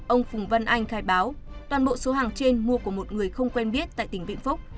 ông phùng văn anh khai báo toàn bộ số hàng trên mua của một người không quen biết tại tỉnh vĩnh phúc